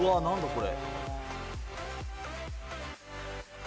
これ。